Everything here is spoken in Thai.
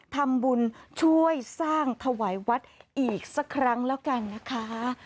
ทำบุญช่วยสร้างถวายวัดอีกสักครั้งแล้วกันนะคะ